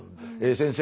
先生